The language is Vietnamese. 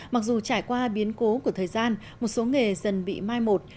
mặc dù trải qua biến cố của thời gian một số nghề dần bị mai một